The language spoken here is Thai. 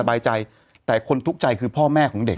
มันติดคุกออกไปออกมาได้สองเดือน